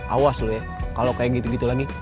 awas loh ya kalau kayak gitu gitu lagi